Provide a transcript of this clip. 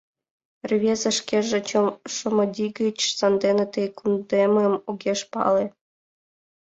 Рвезе шкеже Шомоди гыч, сандене ты кундемым огеш пале.